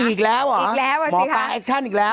อีกแล้วเหรอหมอปลาแอคชั่นอีกแล้ว